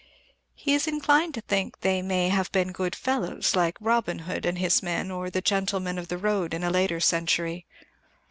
He is inclined to think they may have been good fellows, like Robin Hood and his men or the gentlemen of the road in a later century.